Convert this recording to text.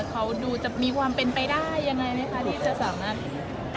เขาดูจะมีความเป็นไปได้อย่างไรนะคะ